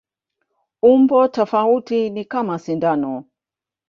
Umbo tofauti ni kama sindano.